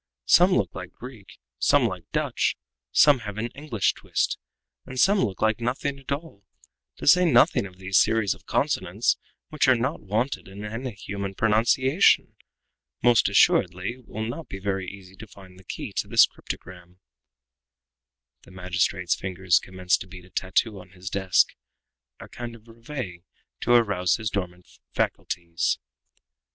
Some look like Greek, some like Dutch; some have an English twist, and some look like nothing at all! To say nothing of these series of consonants which are not wanted in any human pronunciation. Most assuredly it will not be very easy to find the key to this cryptogram." The magistrate's fingers commenced to beat a tattoo on his desk a kind of reveille to arouse his dormant faculties.